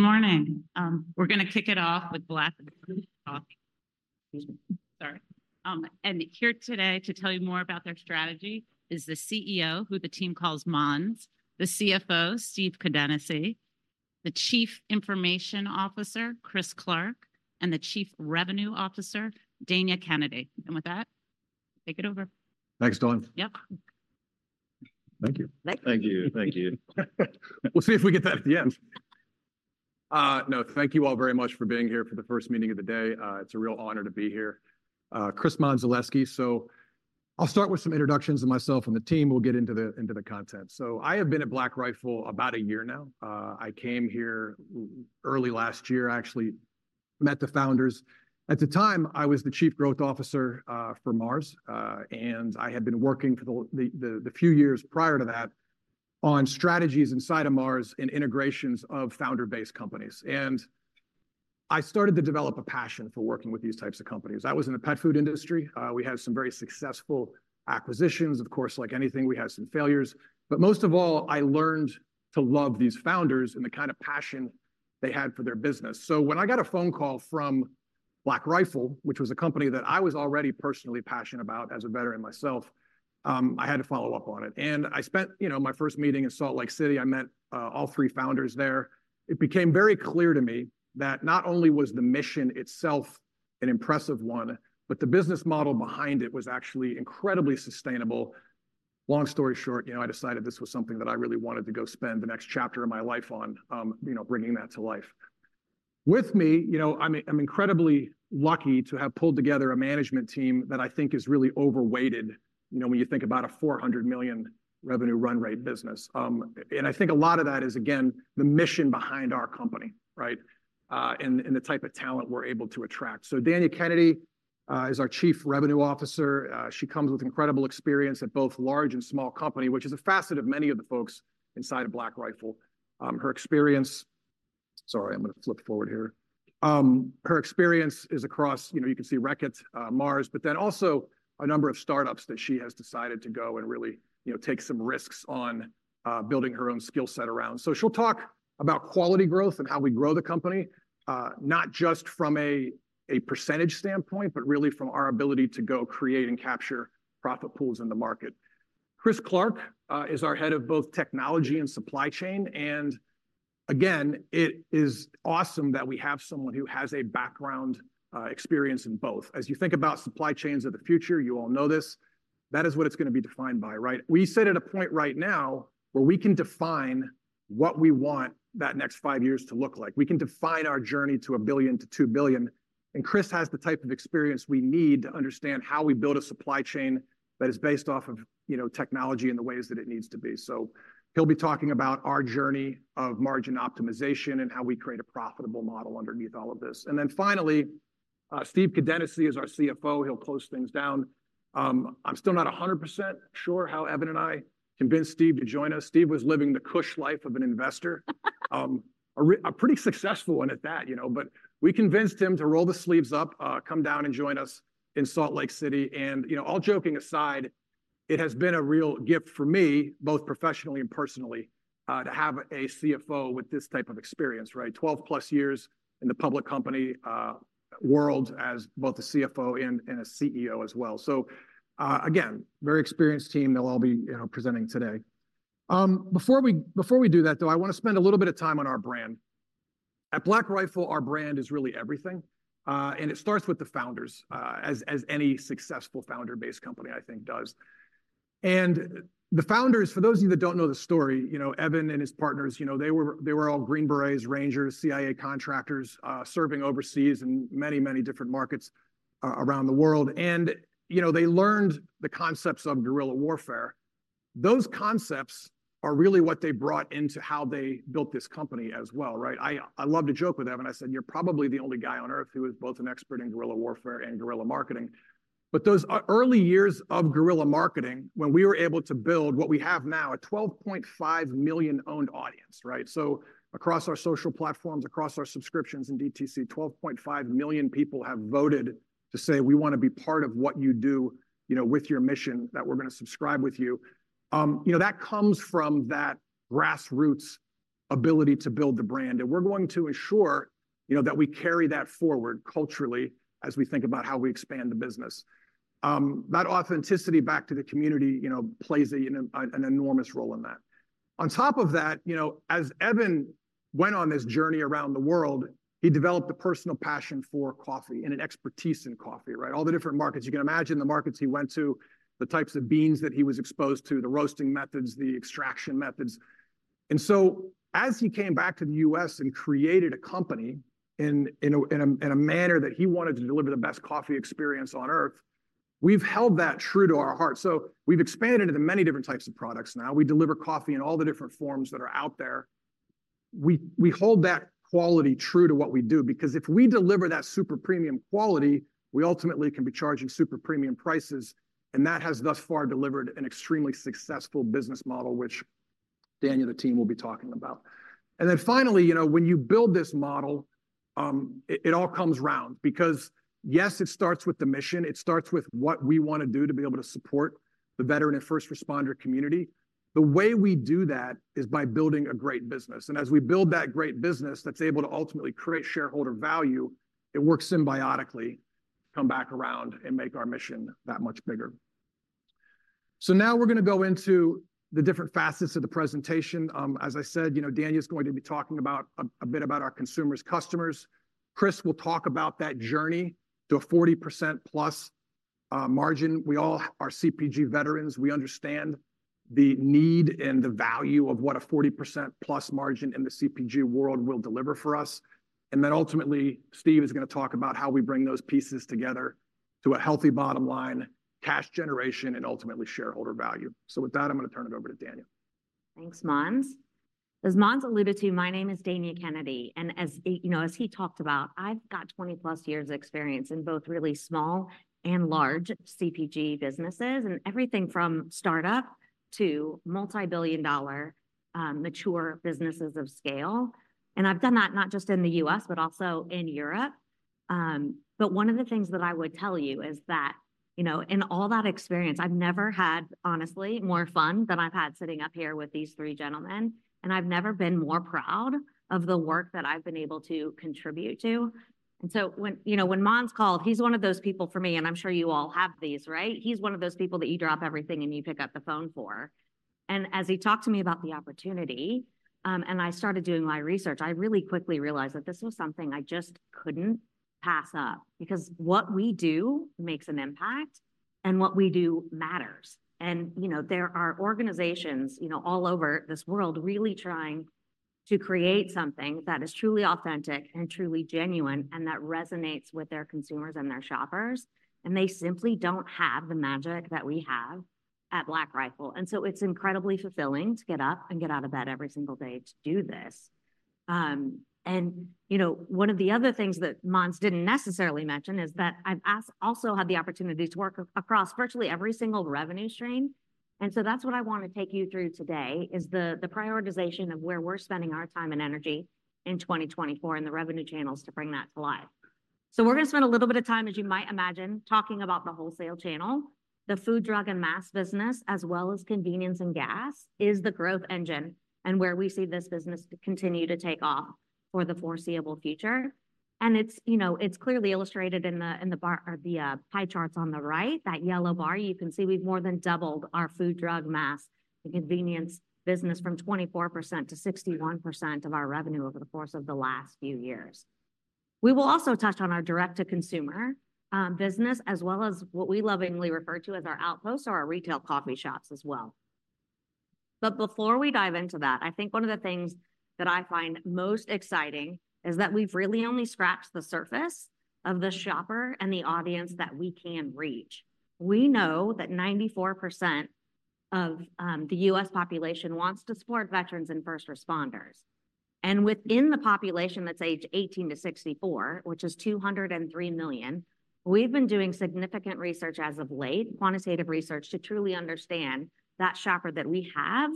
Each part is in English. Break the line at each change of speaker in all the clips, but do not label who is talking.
Good morning! We're gonna kick it off with Black Rifle Coffee. Excuse me, sorry. Here today to tell you more about their strategy is the CEO, who the team calls Monz, the CFO, Steve Kadenacy, the Chief Information Officer, Chris Clark, and the Chief Revenue Officer, Danya Kennedy. With that, take it over.
Thanks, Dawn.
Yep.
Thank you.
Thank you.
Thank you, thank you. We'll see if we get that at the end. No, thank you all very much for being here for the first meeting of the day. It's a real honor to be here. Chris Mondzelewski. So I'll start with some introductions of myself and the team, we'll get into the, into the content. So I have been at Black Rifle about a year now. I came here early last year, actually met the founders. At the time, I was the Chief Growth Officer for Mars, and I had been working for the few years prior to that on strategies inside of Mars and integrations of founder-based companies. And I started to develop a passion for working with these types of companies. That was in the pet food industry. We had some very successful acquisitions. Of course, like anything, we had some failures, but most of all, I learned to love these founders and the kind of passion they had for their business. So when I got a phone call from Black Rifle, which was a company that I was already personally passionate about as a veteran myself, I had to follow up on it. I spent, you know, my first meeting in Salt Lake City. I met all three founders there. It became very clear to me that not only was the mission itself an impressive one, but the business model behind it was actually incredibly sustainable. Long story short, you know, I decided this was something that I really wanted to go spend the next chapter of my life on, you know, bringing that to life. With me, you know, I'm incredibly lucky to have pulled together a management team that I think is really overweighted, you know, when you think about a $400 million revenue run rate business. And I think a lot of that is again, the mission behind our company, right? And the type of talent we're able to attract. So Danya Kennedy is our Chief Revenue Officer. She comes with incredible experience at both large and small company, which is a facet of many of the folks inside of Black Rifle. Her experience... Sorry, I'm gonna flip forward here. Her experience is across, you know, you can see Reckitt, Mars, but then also a number of startups that she has decided to go and really, you know, take some risks on, building her own skill set around. So she'll talk about quality growth and how we grow the company, not just from a, a percentage standpoint, but really from our ability to go create and capture profit pools in the market. Chris Clark is our head of both technology and supply chain, and again, it is awesome that we have someone who has a background, experience in both. As you think about supply chains of the future, you all know this, that is what it's gonna be defined by, right? We sit at a point right now where we can define what we want that next five years to look like. We can define our journey to $1 billion, to $2 billion, and Chris has the type of experience we need to understand how we build a supply chain that is based off of, you know, technology and the ways that it needs to be. He'll be talking about our journey of margin optimization and how we create a profitable model underneath all of this. Then finally, Steve Kadenacy is our CFO. He'll close things down. I'm still not 100% sure how Evan and I convinced Steve to join us. Steve was living the cushy life of an investor, a pretty successful one at that, you know, but we convinced him to roll the sleeves up, come down and join us in Salt Lake City. You know, all joking aside, it has been a real gift for me, both professionally and personally, to have a CFO with this type of experience, right? 12+ years in the public company world as both a CFO and a CEO as well. So, again, very experienced team. They'll all be, you know, presenting today. Before we do that, though, I want to spend a little bit of time on our brand. At Black Rifle, our brand is really everything, and it starts with the founders, as any successful founder-based company, I think, does. And the founders, for those of you that don't know the story, you know, Evan and his partners, you know, they were all Green Berets, Rangers, CIA contractors, serving overseas in many, many different markets around the world. And, you know, they learned the concepts of guerrilla warfare. Those concepts are really what they brought into how they built this company as well, right? I, I love to joke with Evan, I said, "You're probably the only guy on earth who is both an expert in guerrilla warfare and guerrilla marketing." But those early years of guerrilla marketing, when we were able to build what we have now, a 12.5 million owned audience, right? So across our social platforms, across our subscriptions in DTC, 12.5 million people have voted to say, "We wanna be part of what you do, you know, with your mission, that we're gonna subscribe with you." You know, that comes from that grassroots ability to build the brand, and we're going to ensure, you know, that we carry that forward culturally as we think about how we expand the business. That authenticity back to the community, you know, plays an enormous role in that. On top of that, you know, as Evan went on this journey around the world, he developed a personal passion for coffee and an expertise in coffee, right? All the different markets, you can imagine the markets he went to, the types of beans that he was exposed to, the roasting methods, the extraction methods. And so as he came back to the U.S. and created a company in a manner that he wanted to deliver the best coffee experience on earth, we've held that true to our heart. So we've expanded into many different types of products now. We deliver coffee in all the different forms that are out there. We hold that quality true to what we do, because if we deliver that super premium quality, we ultimately can be charging super premium prices, and that has thus far delivered an extremely successful business model, which Danya, the team, will be talking about. And then finally, you know, when you build this model, it all comes round because, yes, it starts with the mission, it starts with what we want to do to be able to support the veteran and first responder community. The way we do that is by building a great business, and as we build that great business that's able to ultimately create shareholder value, it works symbiotically to come back around and make our mission that much bigger. So now we're going to go into the different facets of the presentation. As I said, you know, Danya is going to be talking a bit about our consumers, customers. Chris will talk about that journey to a 40%+ margin. We all are CPG veterans. We understand the need and the value of what a 40%+ margin in the CPG world will deliver for us. And then ultimately, Steve is going to talk about how we bring those pieces together to a healthy bottom line, cash generation, and ultimately shareholder value. So with that, I'm going to turn it over to Danya.
Thanks, Monz. As Monz alluded to, my name is Danya Kennedy, and as he, you know, as he talked about, I've got 20-plus years of experience in both really small and large CPG businesses, and everything from startup to multibillion-dollar mature businesses of scale. I've done that not just in the U.S., but also in Europe. But one of the things that I would tell you is that, you know, in all that experience, I've never had, honestly, more fun than I've had sitting up here with these three gentlemen, and I've never been more proud of the work that I've been able to contribute to. So when, you know, when Monz called, he's one of those people for me, and I'm sure you all have these, right? He's one of those people that you drop everything and you pick up the phone for. And as he talked to me about the opportunity, and I started doing my research, I really quickly realized that this was something I just couldn't pass up, because what we do makes an impact, and what we do matters. And, you know, there are organizations, you know, all over this world really trying to create something that is truly authentic and truly genuine, and that resonates with their consumers and their shoppers, and they simply don't have the magic that we have at Black Rifle. And so it's incredibly fulfilling to get up and get out of bed every single day to do this. And you know, one of the other things that Monz didn't necessarily mention is that I've also had the opportunity to work across virtually every single revenue stream. And so that's what I want to take you through today, is the prioritization of where we're spending our time and energy in 2024 and the revenue channels to bring that to life. So we're going to spend a little bit of time, as you might imagine, talking about the wholesale channel, the food, drug, and mass business, as well as convenience and gas, is the growth engine and where we see this business continue to take off for the foreseeable future. And it's, you know, it's clearly illustrated in the bar or the pie charts on the right. That yellow bar, you can see we've more than doubled our food, drug, mass, and convenience business from 24% to 61% of our revenue over the course of the last few years. We will also touch on our direct-to-consumer business, as well as what we lovingly refer to as our outposts or our retail coffee shops as well. But before we dive into that, I think one of the things that I find most exciting is that we've really only scratched the surface of the shopper and the audience that we can reach. We know that 94% of the U.S. population wants to support veterans and first responders. And within the population that's aged 18-64, which is 203 million, we've been doing significant research as of late, quantitative research, to truly understand that shopper that we have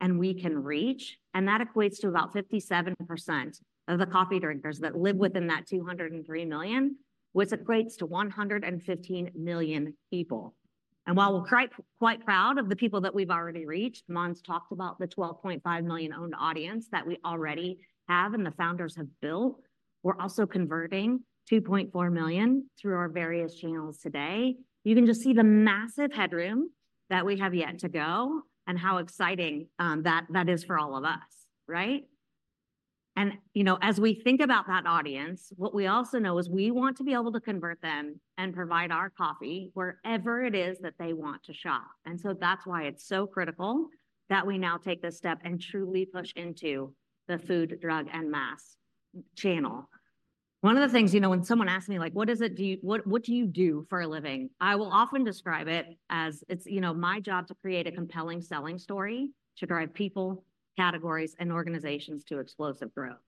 and we can reach, and that equates to about 57% of the coffee drinkers that live within that 203 million, which equates to 115 million people. And while we're quite proud of the people that we've already reached, Monz talked about the 12.5 million owned audience that we already have and the founders have built. We're also converting 2.4 million through our various channels today. You can just see the massive headroom that we have yet to go and how exciting, that, that is for all of us, right? And, you know, as we think about that audience, what we also know is we want to be able to convert them and provide our coffee wherever it is that they want to shop. And so that's why it's so critical that we now take this step and truly push into the food, drug, and mass channel. One of the things, you know, when someone asks me like: "What do you do for a living?" I will often describe it as it's, you know, my job to create a compelling selling story to drive people, categories, and organizations to explosive growth.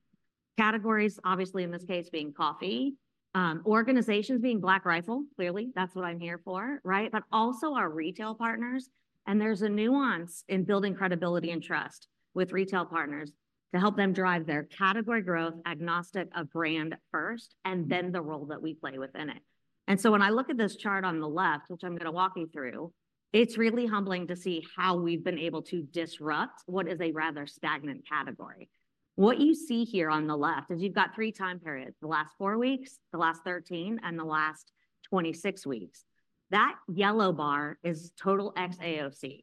Categories, obviously, in this case, being coffee, organizations being Black Rifle, clearly, that's what I'm here for, right? But also our retail partners, and there's a nuance in building credibility and trust with retail partners to help them drive their category growth, agnostic of brand first, and then the role that we play within it. And so when I look at this chart on the left, which I'm going to walk you through, it's really humbling to see how we've been able to disrupt what is a rather stagnant category. What you see here on the left is you've got three time periods: the last four weeks, the last 13, and the last 26 weeks. That yellow bar is total XAOC.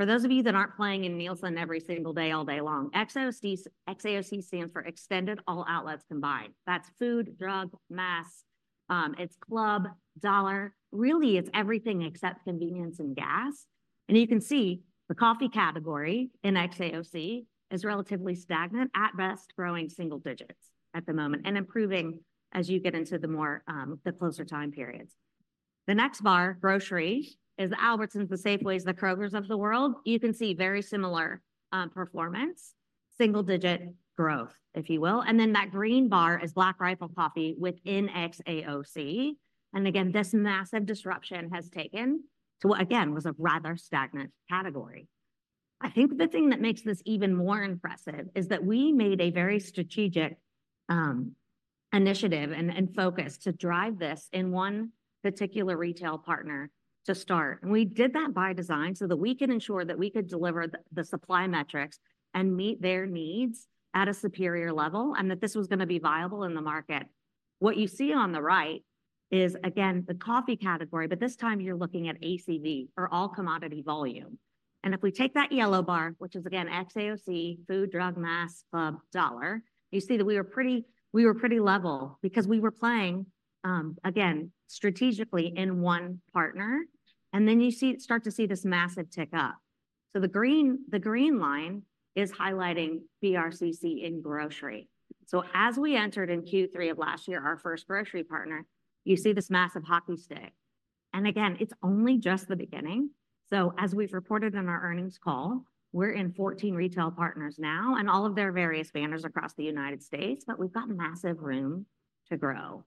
For those of you that aren't playing in Nielsen every single day, all day long, XOC, XAOC stands for Extended All Outlets Combined. That's food, drug, mass, it's club, dollar. Really, it's everything except convenience and gas. And you can see the coffee category in XAOC is relatively stagnant, at best, growing single digits at the moment, and improving as you get into the more, the closer time periods. The next bar, grocery, is the Albertsons, the Safeways, the Krogers of the world. You can see very similar performance, single-digit growth, if you will. And then that green bar is Black Rifle Coffee within XAOC. Again, this massive disruption has taken to what, again, was a rather stagnant category. I think the thing that makes this even more impressive is that we made a very strategic initiative and focus to drive this in one particular retail partner to start. We did that by design so that we can ensure that we could deliver the supply metrics and meet their needs at a superior level, and that this was gonna be viable in the market. What you see on the right is, again, the coffee category, but this time you're looking at ACV or All Commodity Volume. And if we take that yellow bar, which is again, XAOC, food, drug, mass, club, dollar, you see that we were pretty level because we were playing, again, strategically in one partner, and then start to see this massive tick up. So the green, the green line is highlighting BRCC in grocery. So as we entered in Q3 of last year, our first grocery partner, you see this massive hockey stick. And again, it's only just the beginning. So as we've reported on our earnings call, we're in 14 retail partners now and all of their various banners across the United States, but we've got massive room to grow.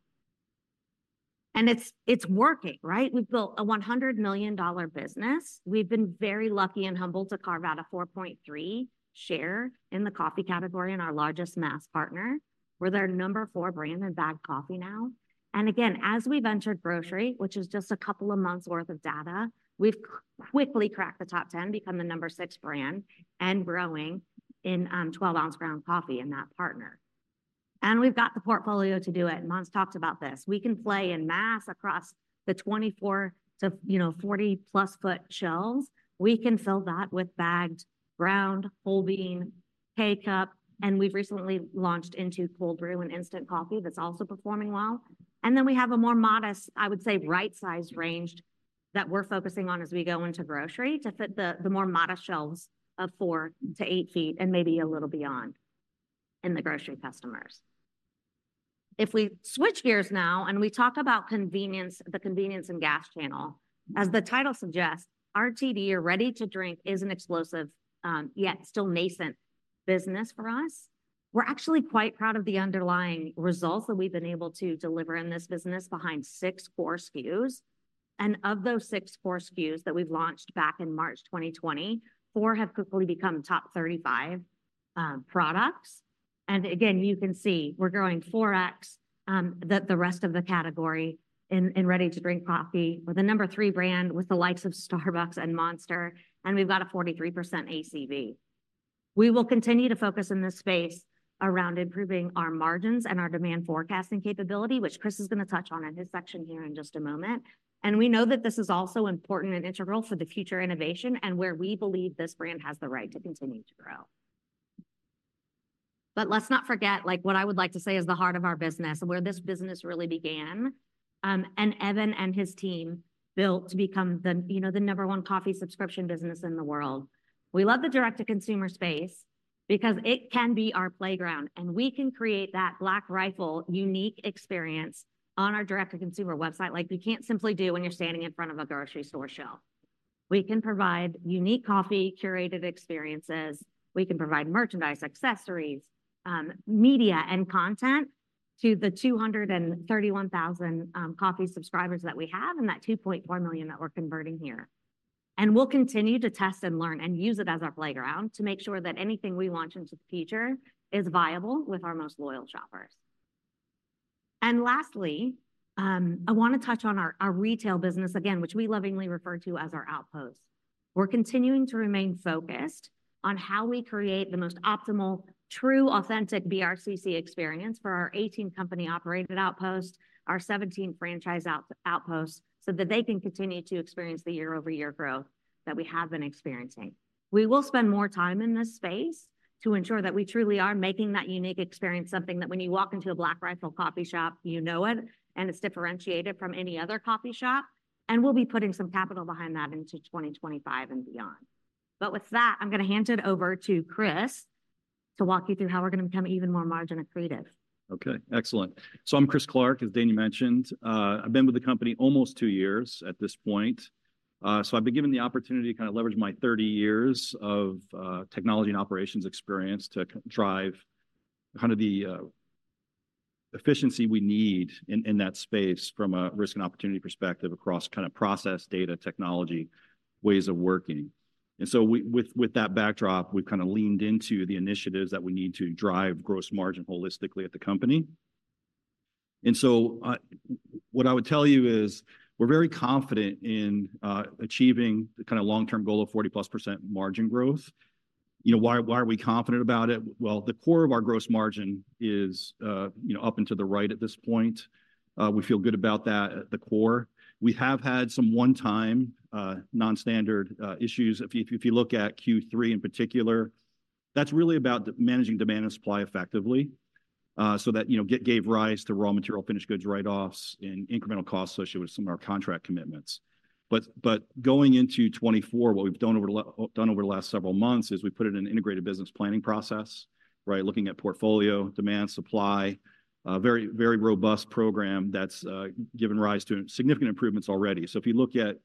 And it's, it's working, right? We've built a $100 million business. We've been very lucky and humbled to carve out a 4.3 share in the coffee category in our largest mass partner. We're their number four brand in bagged coffee now. And again, as we ventured grocery, which is just a couple of months' worth of data, we've quickly cracked the top 10, become the number six brand, and growing in 12-ounce ground coffee in that partner. And we've got the portfolio to do it, and Monz talked about this. We can play in mass across the 24 ft to, you know, 40+ ft shelves. We can fill that with bagged ground, whole bean, K-Cup, and we've recently launched into cold brew and instant coffee that's also performing well. And then we have a more modest, I would say, right-sized range that we're focusing on as we go into grocery to fit the more modest shelves of 4 ft-8 ft and maybe a little beyond in the grocery customers. If we switch gears now, and we talk about convenience, the convenience and gas channel. As the title suggests, RTD or Ready To Drink is an explosive yet still nascent business for us. We're actually quite proud of the underlying results that we've been able to deliver in this business behind six core SKUs. And of those six core SKUs that we've launched back in March 2020, four have quickly become top 35 products. And again, you can see we're growing 4x the rest of the category in ready to drink coffee. We're the number three brand with the likes of Starbucks and Monster, and we've got a 43% ACV. We will continue to focus in this space around improving our margins and our demand forecasting capability, which Chris is gonna touch on in his section here in just a moment. And we know that this is also important and integral for the future innovation and where we believe this brand has the right to continue to grow. But let's not forget, like, what I would like to say is the heart of our business and where this business really began, and Evan and his team built to become the, you know, the number one coffee subscription business in the world. We love the direct-to-consumer space because it can be our playground, and we can create that Black Rifle unique experience on our direct-to-consumer website, like we can't simply do when you're standing in front of a grocery store shelf. We can provide unique coffee, curated experiences. We can provide merchandise, accessories, media, and content to the 231,000 coffee subscribers that we have and that 2.4 million that we're converting here. And we'll continue to test and learn and use it as our playground to make sure that anything we launch into the future is viable with our most loyal shoppers. And lastly, I want to touch on our retail business again, which we lovingly refer to as our outposts. We're continuing to remain focused on how we create the most optimal, true, authentic BRCC experience for our 18 company-operated outposts, our 17 franchise outposts, so that they can continue to experience the year-over-year growth that we have been experiencing. We will spend more time in this space to ensure that we truly are making that unique experience, something that when you walk into a Black Rifle Coffee Shop, you know it, and it's differentiated from any other coffee shop. And we'll be putting some capital behind that into 2025 and beyond. But with that, I'm gonna hand it over to Chris to walk you through how we're gonna become even more margin accretive.
Okay, excellent. So I'm Chris Clark, as Danya mentioned. I've been with the company almost two years at this point. So I've been given the opportunity to kind of leverage my 30 years of technology and operations experience to drive kind of the efficiency we need in that space from a risk and opportunity perspective across kind of process, data, technology, ways of working. And so with that backdrop, we've kind of leaned into the initiatives that we need to drive gross margin holistically at the company. And so what I would tell you is we're very confident in achieving the kind of long-term goal of 40%+ margin growth. You know, why are we confident about it? Well, the core of our gross margin is you know, up and to the right at this point. We feel good about that at the core. We have had some one-time, non-standard, issues. If you look at Q3 in particular, that's really about managing demand and supply effectively, so that, you know, gave rise to raw material, finished goods, write-offs, and incremental costs associated with some of our contract commitments. But going into 2024, what we've done over the last several months is we put in an integrated business planning process, right? Looking at portfolio, demand, supply, a very, very robust program that's given rise to significant improvements already. So if you look at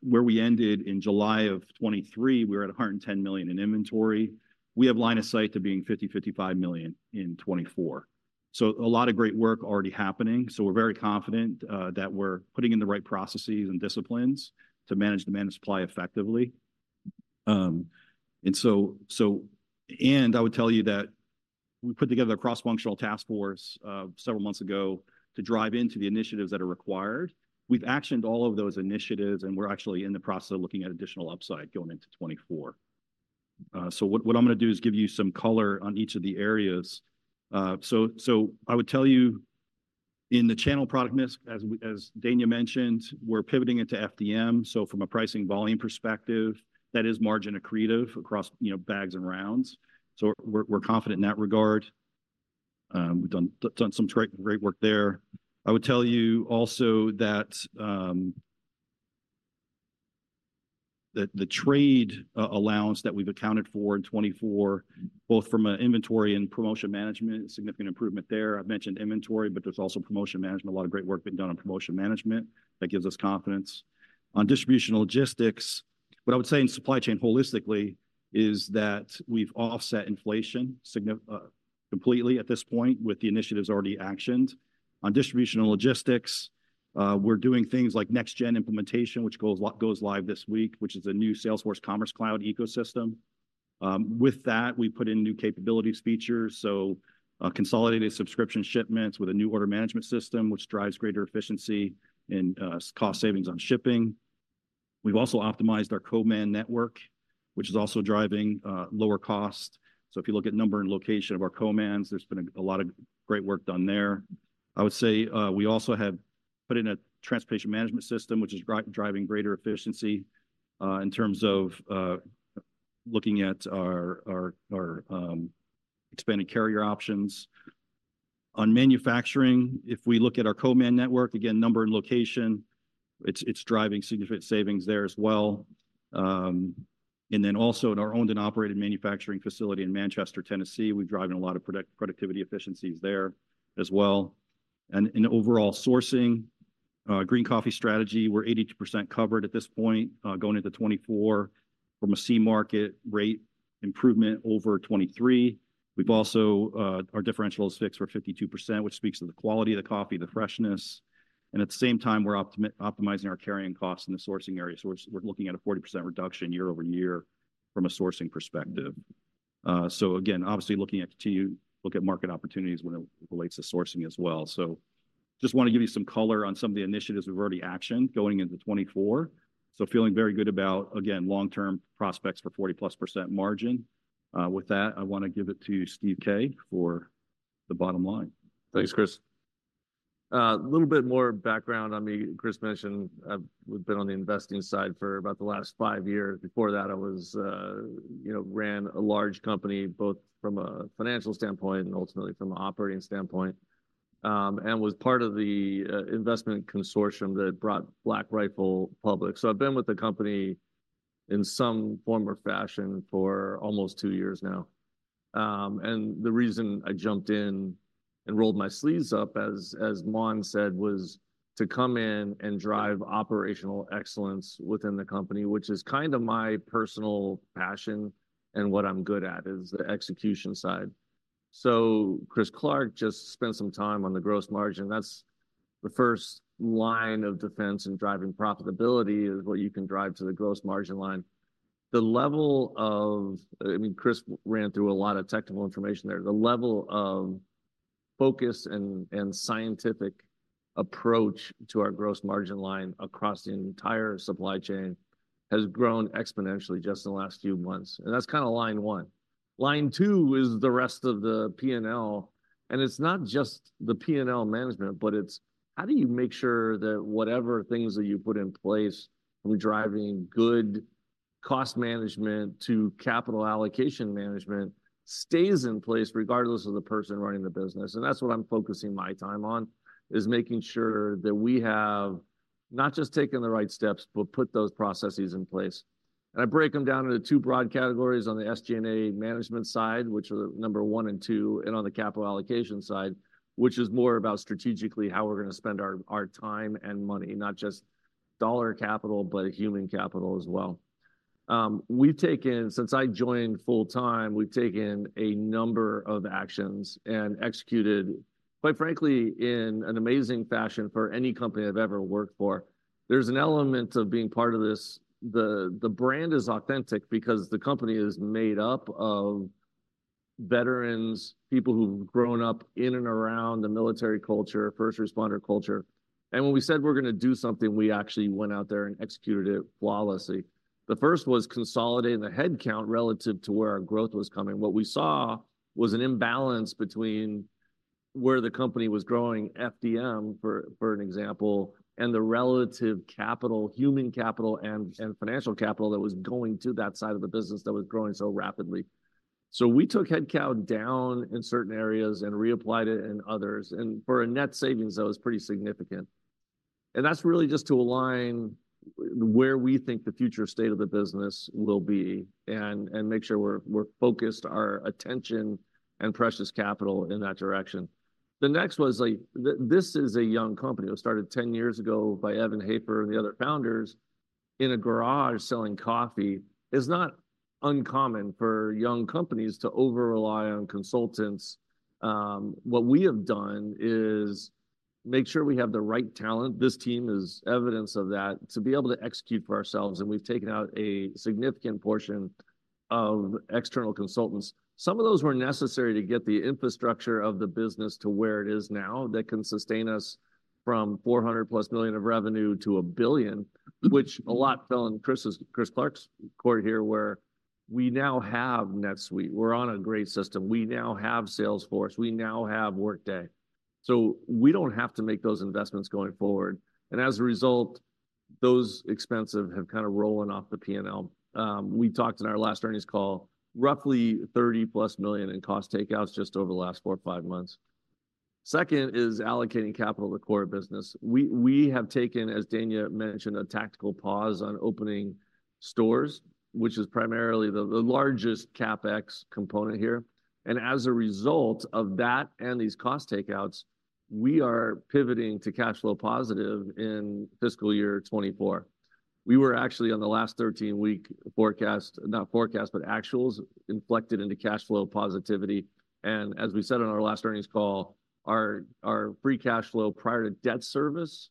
where we ended in July of 2023, we were at $110 million in inventory. We have line of sight to being $50 million-$55 million in 2024. So a lot of great work already happening. So we're very confident that we're putting in the right processes and disciplines to manage demand and supply effectively. And I would tell you that we put together a cross-functional task force several months ago to drive into the initiatives that are required. We've actioned all of those initiatives, and we're actually in the process of looking at additional upside going into 2024. So what I'm gonna do is give you some color on each of the areas. So I would tell you, in the channel product mix, as Danya mentioned, we're pivoting into FDM. So from a pricing volume perspective, that is margin accretive across, you know, bags and rounds. So we're confident in that regard. We've done some great work there. I would tell you also that the trade allowance that we've accounted for in 2024, both from a inventory and promotion management, significant improvement there. I've mentioned inventory, but there's also promotion management. A lot of great work being done on promotion management that gives us confidence. On distribution logistics, what I would say in supply chain holistically, is that we've offset inflation completely at this point, with the initiatives already actioned. On distribution and logistics, we're doing things like next-gen implementation, which goes live this week, which is a new Salesforce Commerce Cloud ecosystem. With that, we put in new capabilities features, so consolidated subscription shipments with a new order management system, which drives greater efficiency and cost savings on shipping. We've also optimized our co-man network, which is also driving lower cost. So if you look at number and location of our co-mans, there's been a lot of great work done there. I would say, we also have put in a transportation management system, which is driving greater efficiency, in terms of looking at our expanding carrier options. On manufacturing, if we look at our co-man network, again, number and location, it's driving significant savings there as well. And then also in our owned and operated manufacturing facility in Manchester, Tennessee, we're driving a lot of productivity efficiencies there as well. And in overall sourcing, green coffee strategy, we're 82% covered at this point, going into 2024, from a C Market rate improvement over 2023. We've also, our differential is fixed for 52%, which speaks to the quality of the coffee, the freshness, and at the same time, we're optimizing our carrying costs in the sourcing area. So we're looking at a 40% reduction year-over-year from a sourcing perspective. So again, obviously, looking at continued market opportunities when it relates to sourcing as well. So just want to give you some color on some of the initiatives we've already actioned going into 2024. So feeling very good about, again, long-term prospects for 40%+ margin. With that, I want to give it to Steve K for the bottom line.
Thanks, Chris. A little bit more background on me. Chris mentioned, I've been on the investing side for about the last five years. Before that, I was, you know, ran a large company, both from a financial standpoint and ultimately from an operating standpoint, and was part of the investment consortium that brought Black Rifle public. So I've been with the company in some form or fashion for almost two years now. And the reason I jumped in and rolled my sleeves up, as Monz said, was to come in and drive operational excellence within the company, which is kind of my personal passion and what I'm good at, is the execution side. So Chris Clark just spent some time on the gross margin. That's the first line of defense in driving profitability, is what you can drive to the gross margin line. The level of... I mean, Chris ran through a lot of technical information there. The level of focus and, and scientific approach to our gross margin line across the entire supply chain has grown exponentially just in the last few months, and that's kind of line one. Line two is the rest of the P&L, and it's not just the P&L management, but it's how do you make sure that whatever things that you put in place are driving good cost management to capital allocation management, stays in place regardless of the person running the business? And that's what I'm focusing my time on, is making sure that we have not just taken the right steps, but put those processes in place. I break them down into two broad categories: on the SG&A management side, which are number 1 and number 2, and on the capital allocation side, which is more about strategically how we're gonna spend our time and money, not just dollar capital, but human capital as well. Since I joined full time, we've taken a number of actions and executed, quite frankly, in an amazing fashion for any company I've ever worked for. There's an element of being part of this. The brand is authentic because the company is made up of veterans, people who've grown up in and around the military culture, first responder culture, and when we said we're gonna do something, we actually went out there and executed it flawlessly. The first was consolidating the headcount relative to where our growth was coming. What we saw was an imbalance between where the company was growing, FDM, for an example, and the relative capital, human capital and financial capital that was going to that side of the business that was growing so rapidly. So we took headcount down in certain areas and reapplied it in others, and for a net savings, that was pretty significant. And that's really just to align where we think the future state of the business will be and make sure we're focused our attention and precious capital in that direction. The next was like, this is a young company. It was started 10 years ago by Evan Hafer and the other founders in a garage selling coffee. It's not uncommon for young companies to over-rely on consultants. What we have done is make sure we have the right talent, this team is evidence of that, to be able to execute for ourselves, and we've taken out a significant portion of external consultants. Some of those were necessary to get the infrastructure of the business to where it is now, that can sustain us from $400 million+ of revenue to $1 billion, which a lot fell in Chris Clark's court here, where we now have NetSuite. We're on a great system. We now have Salesforce, we now have Workday, so we don't have to make those investments going forward, and as a result, those expenses have kind of rolling off the P&L. We talked in our last earnings call, roughly $30 million+ in cost takeouts just over the last four or five months. Second is allocating capital to core business. We have taken, as Danya mentioned, a tactical pause on opening stores, which is primarily the largest CapEx component here. As a result of that and these cost takeouts, we are pivoting to cash flow positive in fiscal year 2024. We were actually on the last thirteen-week forecast—but actuals—inflected into cash flow positivity. As we said on our last earnings call, our free cash flow prior to debt service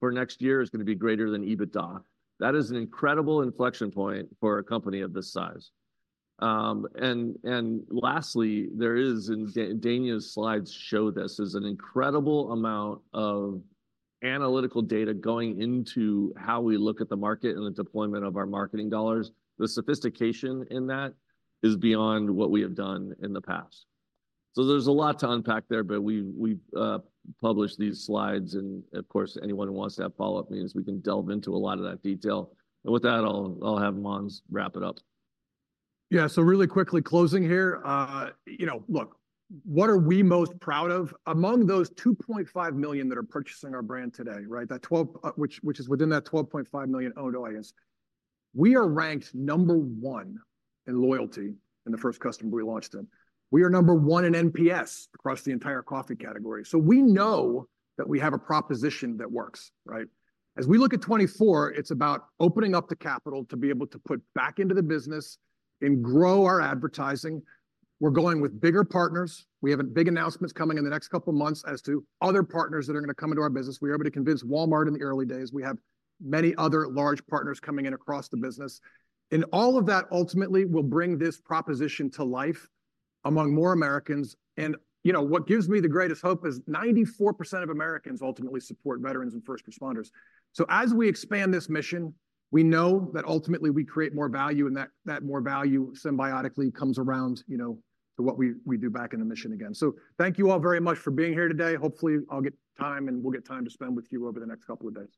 for next year is going to be greater than EBITDA. That is an incredible inflection point for a company of this size. Lastly, there is, and Danya's slides show this, an incredible amount of analytical data going into how we look at the market and the deployment of our marketing dollars. The sophistication in that is beyond what we have done in the past. So there's a lot to unpack there, but we published these slides, and of course, anyone who wants to have follow-up meetings, we can delve into a lot of that detail. And with that, I'll have Monz wrap it up.
Yeah, so really quickly closing here, you know, look, what are we most proud of? Among those 2.5 million that are purchasing our brand today, right? That twelve, which is within that 12.5 million owned audience, we are ranked number one in loyalty in the first customer we launched in. We are number one in NPS across the entire coffee category. So we know that we have a proposition that works, right? As we look at 2024, it's about opening up the capital to be able to put back into the business and grow our advertising. We're going with bigger partners. We have a big announcements coming in the next couple of months as to other partners that are going to come into our business. We were able to convince Walmart in the early days. We have many other large partners coming in across the business, and all of that ultimately will bring this proposition to life among more Americans. And you know, what gives me the greatest hope is 94% of Americans ultimately support veterans and first responders. So as we expand this mission, we know that ultimately we create more value, and that, that more value symbiotically comes around, you know, to what we, we do back in the mission again. So thank you all very much for being here today. Hopefully, I'll get time, and we'll get time to spend with you over the next couple of days.